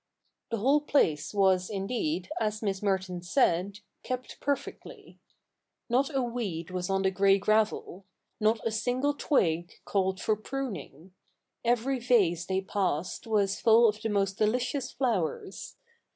The whole place was, indeed, as Miss Merton said, kept perfectly. Not a weed was on the grey gravel ; not a single twig called for pruning. Every vase they passed was full of the most delicious flowers.